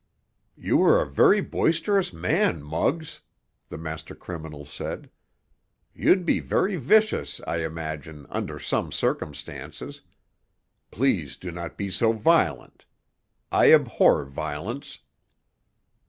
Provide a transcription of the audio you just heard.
"You are a very boisterous man, Muggs," the master criminal said. "You'd be very vicious, I imagine, under some circumstances. Please do not be so violent. I abhor violence."